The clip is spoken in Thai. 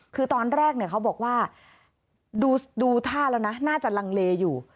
คือตอนแรกเขาบอกว่าดูท่าแล้วนะน่าจะลังเลอยู่